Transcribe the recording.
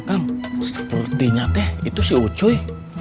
kang sepertinya itu si ucuy